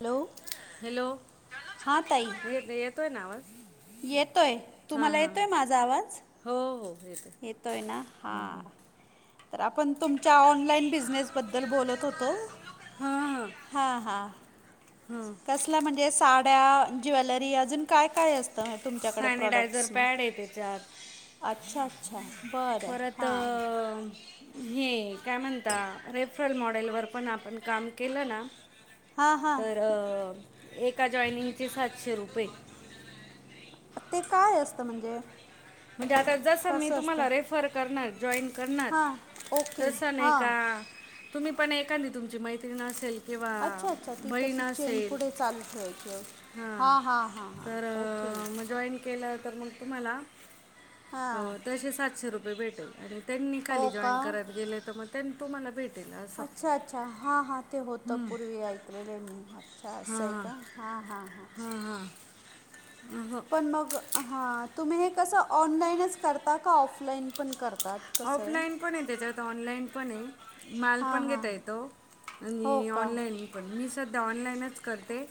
Hello. Hello. हां ताई. येग येतो आहे ना आवाज? येतोय हां तुम्हाला हां हां येतोय माझा आवाज? हो हो येते. येतोय ना हा. तर आपण तुमच्या ऑनलाइन बिझनेस बद्दल बोलत होतो हां हां हा हा हां कस ला म्हणजे साड्या ज्वेलरी अजून काय काय असतं? तुमच्याकडे सॅनिटायझर प्रॉडक्ट्स मग पॅड आहे त्याच्यात. अच्छा अच्छा. बरं परत अ हां हे काय म्हणता रेफरल मॉडेलवर पण आपण काम केलं ना हां हां तर एका जॉइनिंगचे सातशे रुपये. ते काय असतं म्हणजे? म्हणजे आता जसं मी कसं असतं तुम्हाला रेफर करणार जॉईन करणार हां ओके तसं नाही हां का तुम्ही पण एखांदी तुमची मैत्रीण असेल किंवा अच्छा अच्छा ती बहीण तशी चेन असेल पुढे चालू ठेवायची ओके हां हां तर हां ओके मग जॉईन केलं तर मग तुम्हाला हो हां तसे सातशे रुपये भेटेल आणि त्यांनी खाली हो का जॉईन करायला गेले तर मग त्यांनी तुम्हाला भेट अच्छा अच्छा हां हां ते होतं हम्म. पूर्वी ऐकलेलं आहे मी हाय. अच्छा असं आहे हां का? हां हां हां. [unintelligible] पण मग हां, तुम्ही हे कसं ऑनलाईनच करता का? ऑफलाईन पण करतात? ऑफलाईन पण आहे त्याच्यात ऑनलाईन पण आहे. [unintelligible] हां पण हां घेता येतो हो आणि का ऑनलाइन मी सध्या ऑनलाइनच करते,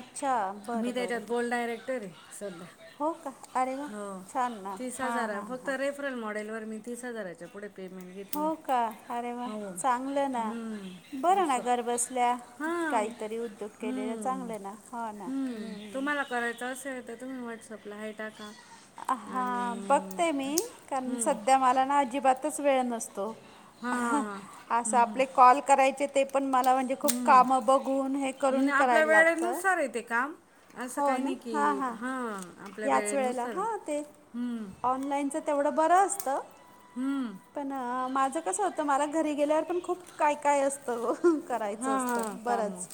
अच्छा मी बरं बरं त्याच्यात गोल्ड डायरेक्टर आहे. सध्या. हो का? अरे वा! हो छान ना तीस हां हजार हां हां. [unintelligible] मॉडेलवर मी तीस हजाराच्या पुढे पेमेंट हो घेतले का? अरे वा! हो चांगलं ना हम्म, बरं ना असं घर बसल्या. हां काहीतरी उद्योग केलेलं हम्म, चांगलं ना हो ना. हम्म हम्म. [unintelligible] करायचं असेल तर तुम्ही व्हॉट्सअपला हाय टाका. अ हां आणि बघते मी कारण हम्म, सध्या मला ना अजिबातच वेळ नसतो. हां हां हां असं हम्म, हम्म. आपले कॉल करायचे ते पण मला [unintelligible] [unintelligible] खूप कामं बघून हे न- करून आपल्या करायला लागतं. वेळेनुसार आहे ते काम असं काही नाही की हां. आपल्या याच वेळेला वेळेनुसार आहे हां ते हम्म, ऑनलाईनच तेवढं बरं असतं, हम्म. पण माझं कसं होतं मला घरी गेल्यावर पण खूप काय काय असतं, करायचं असतं बरच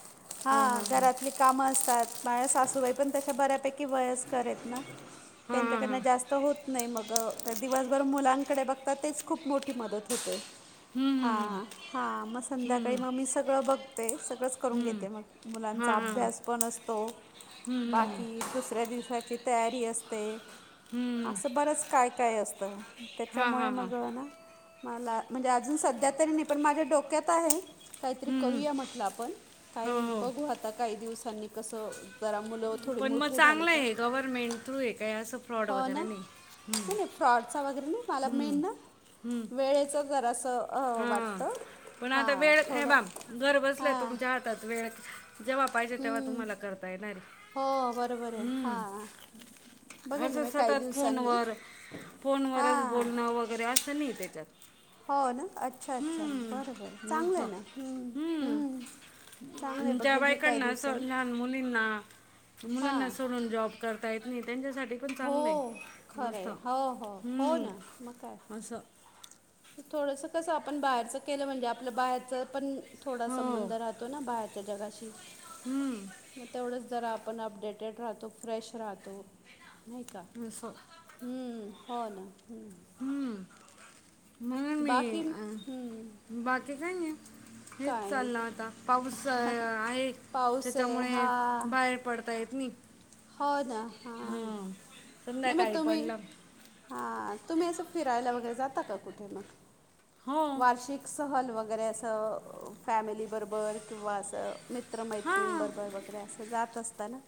हां घरातली कामं असतात माझ्या सासूबाई पण तशा बऱ्यापैकी वयस्कर आहेत ना, हां हां त्यांच्याकडनं हां जास त होत नाही मग त्या दिवसभर मुलांकडे बघतात तेच खूप मोठी मदत होते. हम्म, हम्म, हां हां, मग हम्म. हम्म, संध्याकाळी मग मी सगळं बघते सगळंच करून हम्म. घेते मग हां मुलांचा हां हां अभ्यास पण असतो हम्म, हम्म, हम्म. बाकी दुसऱ्या दिवसा ची तयारी असते. हम्म. असं बरंच काय काय असतं. हा हा त्याच्यामुळे हा मग ना मला म्हणजे अजून सध्या तरी नाही पण माझ्या डोक्यात आहे. काहीतरी हम्म. करूया म्हटलं आपण हो काही हो बघू आता काही दिवसांनी कसं जरा मुलं थोडी पण मग मोठे झाले चांगलं का आहे गव्हर्नमेंट थ्रू आहे काय असं फ्रॉड हो ना? वगैरे नाही हम्म. नाही फ्रॉडचा वगैरे नाही मला हम्म. मेन ना वेळेचं जरासं अ, हम्म, वाटतं पण आता हां वेळ हे थोडं बघ घर बसल्या हां तुमच्या हातात वेळ जेव्हा पाहिजे तेव्हा हं. तुम्हाला करता येणार आहे हो बरोबर आहे हां हम्म. बघेल ना असं मी काही सतत दिवसांनी फोनवर फोनवरच हां बोलणं वगैरे असं नाही त्याच्यात. हो ना? अच्छा अच्छा हम्म. बरं बरं हं. चांगलं आहे हम्म हम्म. ज्या बायकांना असं लहान मुलींना हां मुलांना सोडून जॉब. करता येत नाही त्यांच्यासाठी पण हो चांगलं आहे खरं मस्त आहे हो हो हो हम्म असं. थोडसं कसं आपण बाहेरच केलं म्हणजे आपलं बाहेरचं पण थोडा हो संबंध राहतो ना बाहेरच्या जगाशी? हम्म. मग तेवढंच जरा आपण अपडेटेड राहतो, फ्रेश राहतो. नाही का? असं. हम्म हो ना हम्म. हम्म. म बाकी हम्म. बाकी काय नाही. हेच काय नाही चाललं आता पाऊस आहे, पाऊस आहे तेच्यामुळे हा बाहेर. पडता येत नयी. हो ना हां, नाही मग संध्याकाळी तुम्ही. पडलं हा तुम्ही असं फिरायला वगैरे, जाता का कुठे मग हो वार्षिक. सहल वगैरे असं, फॅमिली बरोबर किंवा अस मि मित्र मैत्रिणी हां बरोबर वगैरे, असं जात असता ना.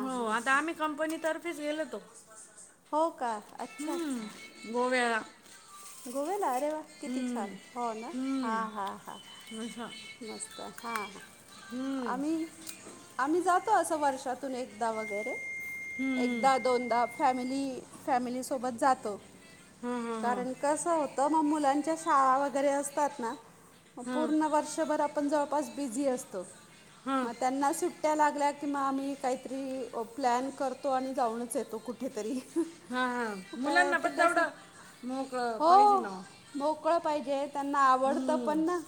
हो आता आम्ही कंपनीतर्फेच गेलो होतो. हो का, अच्छा गोव्याला अच्छा गोव्याला अरे वा. किती हम्म छान हो ना, हा हम्म हा हा अच्छा मस्त हा हा. हम्म आम्ही आम्ही जातो असं, वर्षातून एकदा वगैरे. हम्म. एकदा दोनदा फॅमिली, फॅमिली सोबत जातो. हां हां कारण कसं होतं, मग मुलांच्या शाळा वगैरे असतात ना. मग हां हां पूर्ण वर्षभर आपण जवळपास बिझी असतो. हां मग त्यांना सु सुट्या लागल्या की मग, आम्ही काहीतरी प्लॅन करतो आणि जाऊन‌ येतोच कुठे तरी. हा हा मुलांना पण तेवढं, मग पाहिजे हो ना ओ. मोकळं पाहिजे त्यांना आवडतं पण ना.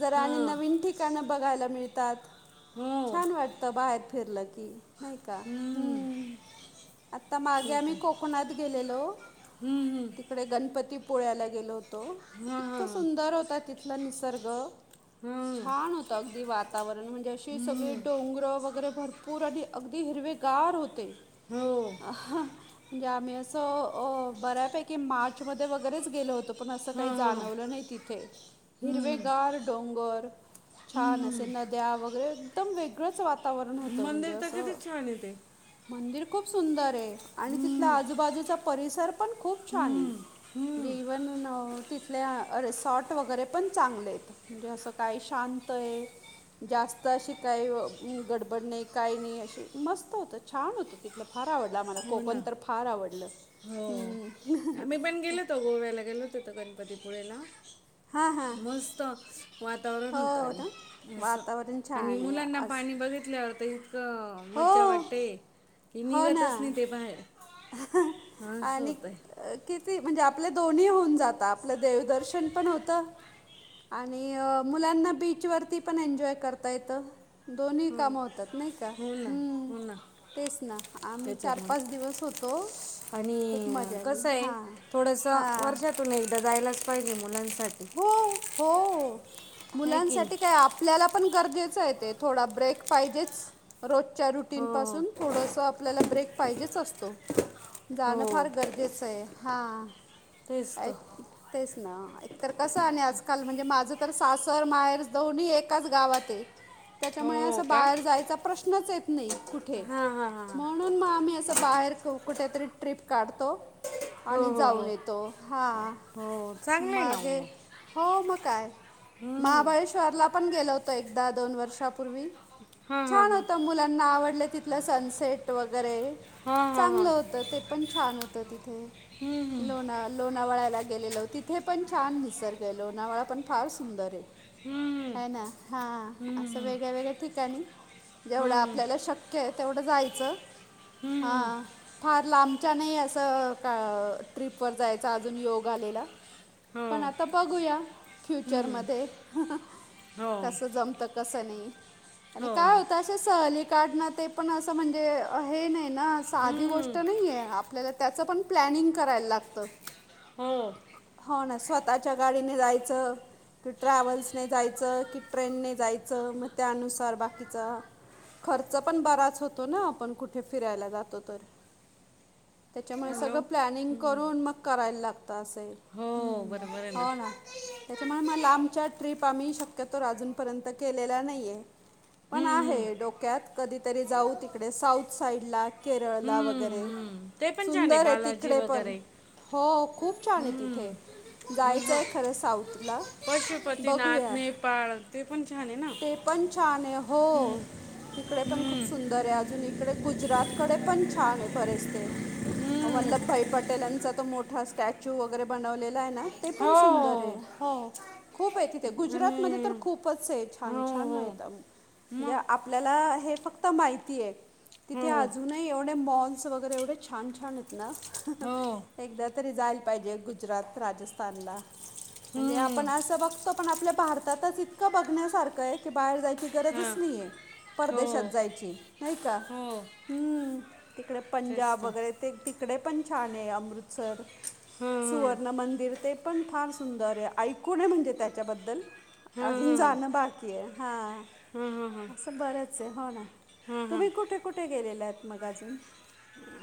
जरा आणि हां नवीन ठि ठिकाण बघायला मिळतात, हो छान वाटतं बाहेर फिरलं की. नाही का हम्म. आत्ता मागे ठीक आम्ही आहे कोकणात गेलेलो. हम्म हम्म तिकडं गणपतीपोळ्याला गेलो हो तो हां इतका हां सुंदर होता, तिथला निसर्ग. हां छान होतं अगदी वातावरण म्हणजे, अशी सगळी हम्म डोंगर वगैरे भरपूर. पूर आणि अगदी हिरवेगार होते. [unintelligible] म्हणजे आम्ही असं अ, बऱ्यापैकी मार्चमध्ये वगैरेच गेलो होतो. पण असं हां काही हां जाणवलं नाही तिथे, हम्म हिरवेगार डोंगर. छान असे हम्म नद्या वगैरे. एकदम वेगळंच वातावरण होतं म्हणजे मंदिर तर असं. किती छान आहे ते मंदिर खूप सुंदर ये आणि तिथला हम्म आजूबाजूचा परिसर. पण खूप छान ये. हम्म [unintelligible] हम्म तीच. तितल्या रिसॉर्ट वगैरे पण चांगले आहेत, म्हणजे असं काय शांत ये. जास्तं अशी काही गडबड नाही, काय नाही अशी मस्त होत छान होत तिथं. फार आवडला आम्हाला, हो कोकण ना तर फार आवडलं म्ह. तवा गोव्याला गेलो होतो. गणपतीपुळेला हां हां मस्त. वातावरण होतं हो आणि ना असं, वातावरण छान आहे मुलांना आज पाणी बघितल्यावर तर इतकं. हो मज्जा वाटते की, हो ना निघतच नाही ते बाहेर. हां, असं आणि होतं आहे किती म्हणजे आपले दोन्ही होऊन जात. आपलं देवदर्श पण पण होतं. आणि मुलांना बीचवरती पण एन्जॉय करता येतं. दोन्ही हो ना. कामं होतात नाही का, हो ना हम्म हो ना तेच ना आम्ही चार त्याच्यामुळे पाच दिवस हो आणि कसय हां थोडंसं हां वर्षात. तुम्ही एकदा जायलाच पाहिजे मुलांसाठी. हो हो आहे की मुलांसाठी नाही काय आप आपल्याला पण गरजेचं आहे ते थोडा ब्रेक पाहिजेच रोज च्या हो रुटीनपासून थोडंसं आपल्याला ब्रेक पाहिजेच असतो. जाणं हो फार गरजेचं आहे हा तेच तर [unintelligible] तेच ना तर कसं आणि आजकाल म्हणजे माझं तर सासर माहेर दोन्ही एकाच गावात ये. त्याच्यामुळे हो असं का बाहेर जायचा प्रश्नच येत नाही कुठे. हां हां हां हां म्हणून मग आम्ही असं बाहेर [unintelligible] कुठेतरी ट्रिप काढतो हो आणि हो हो जाऊन येतो हा हो चांगलंये ना [unintelligible] ओ हो मग काय हम्म. महाबळेश्वरला पण गेलो होतो एकदा दोन वर्षापूर्वी हां हां छान हां होत मुलांना आवडलं तिथलं सनसेट वगैरे हां हां हां चांगलं होतं ते पण छान होतं तिथे हम्म, लोणा लोणावळ्याला गेलेलो तिथे पण छान निसर्ग आहे लोणावळा पण फार सुंदर आहे. हम्म. ह ना हा असं हम्म, वेगळ्या वेगळ्या ठिकाणी जेवढं हम्म. आपल्याला शक्य आहे तेवढं जायचं हम्म हां फार लांबच्या नाही असं का ट्रिपवर जायचं अजून योग आलेला. हो पण आता बघूया हम्म. फ्युचरमध्ये हो कसं जमत कसं नही आणि हो काय होतं असे सहली काढणं ते पण असं म्हणजे हे नाही ना साधी गोष्ट हम्म. ष्ट नाहीये आपल्याला त्याच पण प्लॅनिंग कराव लागतं हो हो ना. स्वतःच्या गाडीने जायचं कि ट्रॅव्हल्सने जायचं की ट्रेनने जायचं मग त्यानुसार बाकीचा खर्च पण बराच होतो ना आपण कुठे फिरायला जातो तर त्याच्यामुळे सगळं हॅलो प्लनिंग हम्म. करून मग करायला लागत असं हो बरोबर आहे हो ना त्याच्यामुळे मग लांबच्या ट्रीप आम्ही शक्यतोर अजूनपर्यंत केलेल्या नाहीये. पण हम्म, हम्म. आहे डोक्यात कधीतरी जाऊ तिकडे साऊथ साईडला केरळ ला हम्म, वगैरे हम्म. ते पण छान सुंदर आहे बालाजी तिकडे पण वगैरे हो हो खूप छान आहे हम्म. तिथे हो. जायचंय खरं साऊथ ला पशुपतीनाथ बघूया नेपाळ ते पण छान आहे ना ते पण छान आहे हो हम्म, तिकडे पण खूप हम्म, सुंदर आहे अजून इकडे गुजरातकडे पण छान आहे बरेच ते हम्म. वल्लभभाई पटेल यांचा तो मोठा स्टॅच्यू वगैरे बनवलेला [unintelligible] ना ते हो पण सुंदर हो खूप आहे तिथे गुजरातमध्ये आणि तर खूपच आहे हो छान छान हो मिळत मग [unintelligible] आपल्याला हे फक्त माहितीये तिथे हो अजूनही एवढे मॉल्स वगैरे एवढे छान आहेत ना हो एकदा तरी जायला पाहिजे गुजरात राजस्थानला म्हणजे हम्म. आपण असं बघतो पण आपल्या भारतातच इतकं बघण्यासारखं आहे की बाहेर जायची हा. गरजच नाहीये हो परदेशात जायची नाही का हो ह् तिकडे तेच पंजाब तर वगैरे ते तिकडे पण छान आहे अमृतसर सुव हां र्ण मंदिर ते पण फार सुंदर आहे ऐकून म्हणजे त्याच्याबद्दल हां अजून जाणं बाकी हाय. हा. ह, ह, ह. असं बरंच आहे. हो ना, तुम्ही हां कुठे कुठे गेलेल्यात मग अजून?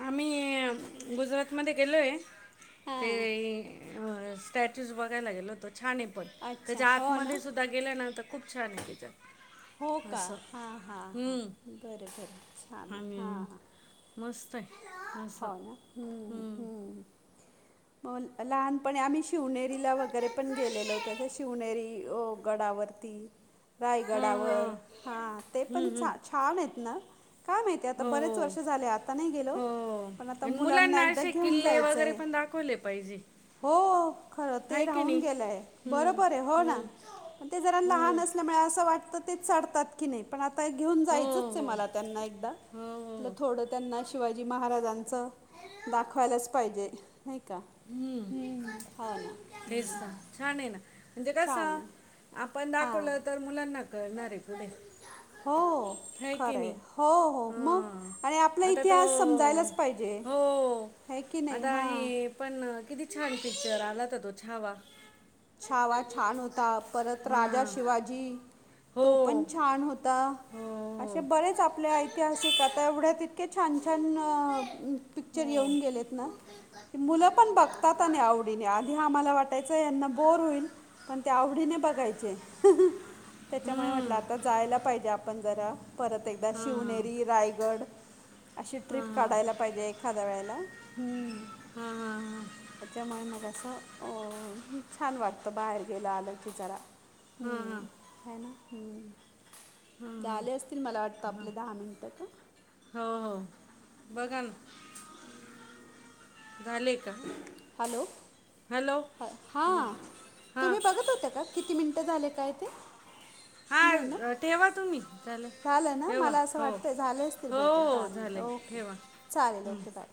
आम्ही गुजरात. मध्ये गेलोय. ते हां स्टॅचुज बघायला गेलो होतो. छान हाय पण. अच्छा त्याच्या हो आतमध्ये ना सुद्धा गेल्या नंतर खूप छान तेज्यात. हो का अस, हां हां ह. हां बरं बरं छान हां मस्त हाय. असं हम्, हम्म. हम्. पण लहानपणी आम्ही शिवनेरीला वगैरे पण गेलेलो होतो. शिवनेरी अ गडावरती हो हो रायगडावर. हा ते पण हम्म हम्म छान हाईत ना? काय माहिती, आता बरेच हो वर्ष झाले आता नाही गेलो. हो पण आता आणि मुलांना एकदा असे घेऊन किल्ले वगैरे जायचंय. पण दाखवले पाहिजे हो, खरं ते आहे की राहून नाही गेलंय हम्म बरोबर हाय हो ना. हम्म पण ते जरा हम्म लहान असल्यामुळे असं वाटतं ते चढतात की नाही, पण आता घेऊन हो जायचंच आहे हो मला त्यांना एकदा. हो म्हणलं हो थोडं त्यांना शिवाजी महाराजांचं दाखवायलाच पाहिजे. नाही का, हम्म हो ना. तेच ना छान हाय ना. म्हणजे कस छान आहे आपण हां दाखवलं तर मुलांना कळणार हाय पुढे. हो आहे खर की हाय. नाही हो हो मग हां आणि आपला आता तो इतिहास समजायलाच पाहिजे हो हे की नाइ. आता हा. हे पण किती छान पिक्चर आलातो तो छावा. छवा छान होता. परत राजा हां शिवाजी हो तो पण छान होत. हो त असे बरेच आपले ऐतिहासिक आता एवढ्या तितके छान छान पिक्चर हो येऊन गेलेत ना मुलं पण बघतात आणि आवडीने आधी आम्हाला वाटयच च यांना बोर होईल, पण ते आवडीने बघायचे. त्याच्यामुळे म्हटलं हम्म. आता जायला पाहिजे आपण जरा. परत एकदा हां, शिवनेरी, रायगड अशी हां, ट्रिप हां, काढायला पाहिजे एखाद्या वेळेला. हां, हां, त्याच्यामुळे मग असं अ छान वाटतं बाहेर गेलं आलं की जरा. हां, हां. हम्म, हाय ना, हम्म. झाले असतील मला वाटतं आपलं दहा मिनिटं का? हो, हो. बघान. झाले का? हॅलो, हॅलो बोल हां हां तुम्ही बघत होत्या का? किती मिनिटं झाले काय ते? नाही ना हा, ठेवा तुम्ही चाले झालं ना ठेवा मला असं हो. वाटतं झाले असतील हो बहुतेक हो दहा मिनटं झालंय ओके ठेवा. चालेल, ओके हम्म. बाय.